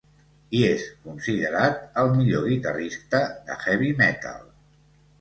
I és considerat el millor guitarrista de heavy metal.